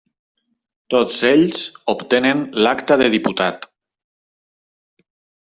Tots ells obtenen l'acta de diputat.